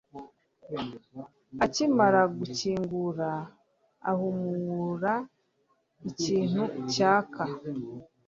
Akimara gukingura, ahumura ikintu cyaka.